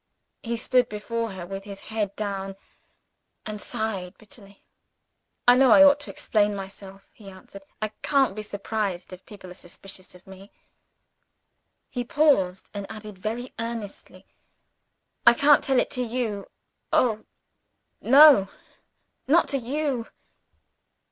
He stood before her, with his head down, and sighed bitterly. "I know I ought to explain myself," he answered. "I can't be surprised if people are suspicious of me." He paused, and added very earnestly, "I can't tell it to you. Oh, no not to _you!